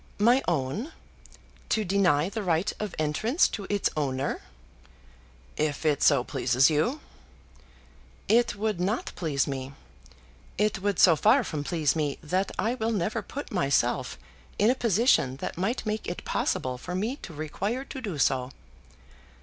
"My own, to deny the right of entrance to its owner?" "If it so pleases you." "It would not please me. It would so far from please me that I will never put myself in a position that might make it possible for me to require to do so.